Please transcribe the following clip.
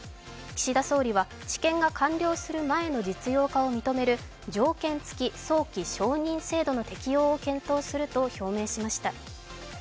岸田総理は治験が完了する前の実用化を認める条件付き早期承認制度の適用を検討すると表明しました。